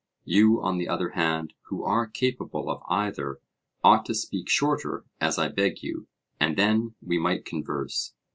You, on the other hand, who are capable of either, ought to speak shorter as I beg you, and then we might converse.